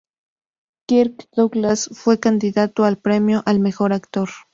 Kirk Douglas fue candidato al premio al mejor actor.